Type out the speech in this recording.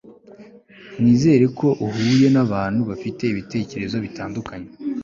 nizere ko uhuye nabantu bafite ibitekerezo bitandukanye